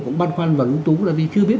cũng băn khoăn và lũ túng là vì chưa biết